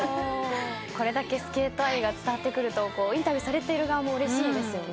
これだけスケート愛が伝わってくるとインタビューされてる側もうれしいですよね。